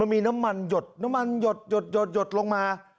มันมีน้ำมันหยดน้ำมันหยดหยดหยดหยดหยดหยดลงมา